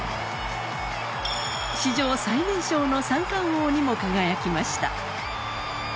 史上最年少の三冠王にも輝きました。